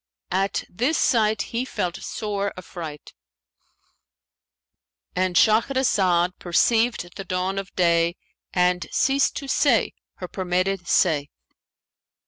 At this sight he felt sore affright"—And Shahrazad perceived the dawn of day and ceased to say her permitted say.